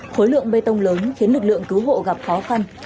khối lượng bê tông lớn khiến lực lượng cứu hộ gặp khó khăn